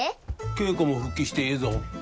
稽古も復帰してええぞ。